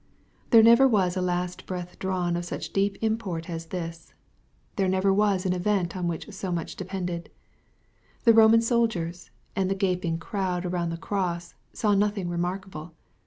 There never was a last breath drawn, of such deep import as this. There never was an event on which 60 much depended. The Eoman soldiers, and the gaping crowd around the cross, saw nothing remarkable.